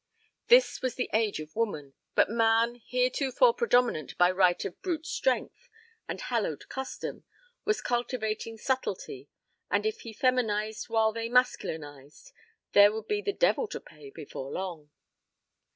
This was the age of woman, but man, heretofore predominant by right of brute strength and hallowed custom, was cultivating subtlety, and if he feminized while they masculinized there would be the devil to pay before long.